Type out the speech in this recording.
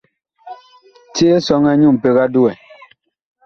Ti Esɔŋɛ nyu mpeg a duwɛ.